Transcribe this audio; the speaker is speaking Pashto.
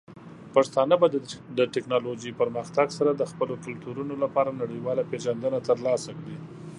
پښتانه به د ټیکنالوجۍ پرمختګ سره د خپلو کلتورونو لپاره نړیواله پیژندنه ترلاسه کړي.